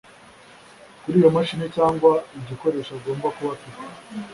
kuri iyo mashini cyangwa igikoresho agomba kuba afite